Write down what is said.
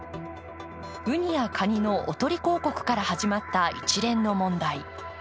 ウニやカニのおとり広告から始まった一連の問題。